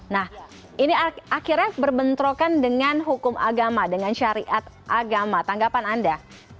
nah ini akhirnya berbentrokan dengan hukum agama dengan syariat agama tanggapan anda